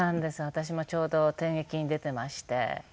私もちょうど帝劇に出てまして。